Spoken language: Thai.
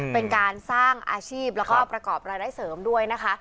เป็นการสร้างอาชีพแล้วก็ประกอบรายได้เสริมด้วยนะคะ